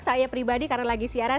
saya pribadi karena lagi siaran